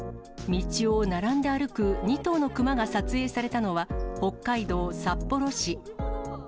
道を並んで歩く２頭の熊が撮影されたのは、北海道札幌市。